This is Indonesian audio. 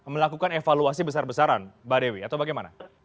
melakukan evaluasi besar besaran mbak dewi atau bagaimana